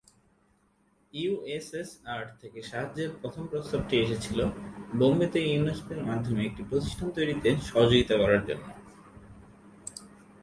USSR থেকে সাহায্যের প্রথম প্রস্তাবটি এসেছিল বোম্বেতে ইউনেস্কোর মাধ্যমে একটি প্রতিষ্ঠান তৈরীতে সহযোগিতা করার জন্য।